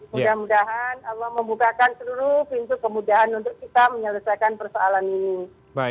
mudah mudahan membukakan seluruh pintu kemudahan untuk kita menyelesaikan persoalan ini